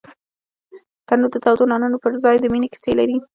تنور د تودو نانو پر ځای د مینې کیسې لري